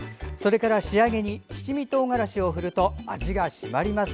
仕上げに七味とうがらしを振ると味が締まります。